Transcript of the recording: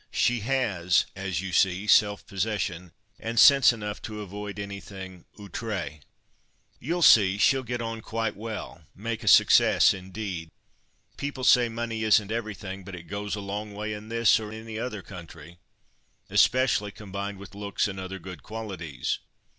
She has, as you see, self possession, and sense enough to avoid anything outré." "You'll see she'll get on quite well—make a success, indeed. People say money isn't everything; but it goes a long way in this, or any other country, especially combined with looks, and other good qualities.